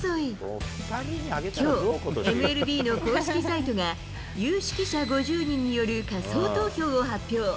きょう、ＭＬＢの公式サイトが、有識者５０人による仮想投票を発表。